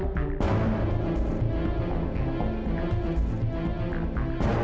pak kenapa saya tidak bisa dihendaki